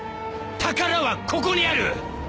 宝はここにある！